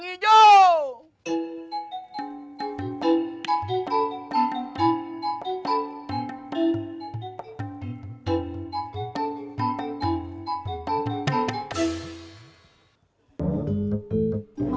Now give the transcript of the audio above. emang cuma temen